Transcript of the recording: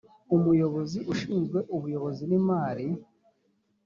umuyobozi ushinzwe ubuyobozi n imari